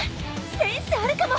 センスあるかも！